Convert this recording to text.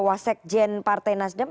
wasek jen partai nasdem